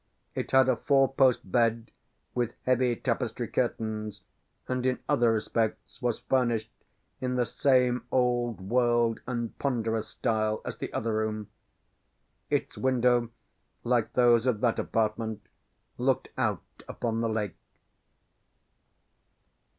It had a four post bed, with heavy tapestry curtains, and in other respects was furnished in the same old world and ponderous style as the other room. Its window, like those of that apartment, looked out upon the lake.